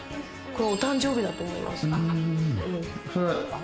お誕生日だと思います。